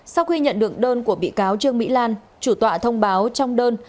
sau khi nhận được đơn của bị cáo trương mỹ lan chủ tọa thông báo trong đơn